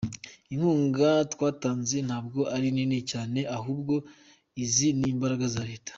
Inkunga twatanze ntabwo ari nini cyane ahubwo izi ni imbaraga za Leta.